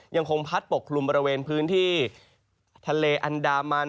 ยังคงพัดปกคลุมบริเวณพื้นที่ทะเลอันดามัน